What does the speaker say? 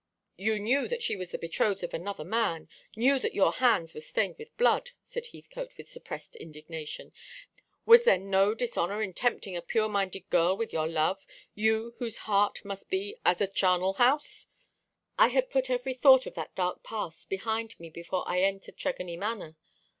"You knew that she was the betrothed of another man, knew that your hands were stained with blood," said Heathcote, with suppressed indignation. "Was there no dishonour in tempting a pure minded girl with your love? You, whose heart must be as a charnel house!" "I had put every thought of that dark past behind me before I entered Tregony Manor.